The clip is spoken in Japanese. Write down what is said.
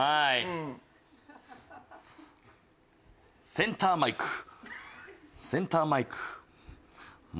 センターマイクセンターマイク。